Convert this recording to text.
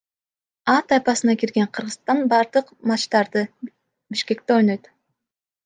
А тайпасына кирген Кыргызстан бардык матчтарды Бишкекте ойнойт.